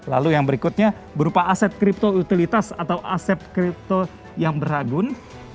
lalu yang berikutnya berupa aset kripto utilitas atau aset kripto yang beragun